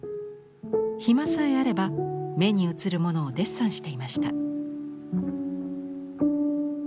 暇さえあれば目に映るものをデッサンしていました。